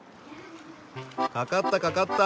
かかったかかった。